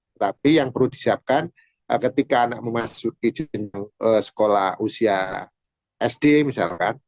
tetapi yang perlu disiapkan ketika anak memasuki sekolah usia sd misalkan